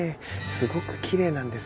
すごくきれいなんです